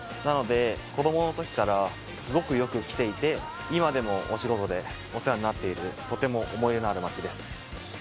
なので子供のときからすごくよく来ていて今でもお仕事でお世話になっているとても思い入れのある街です。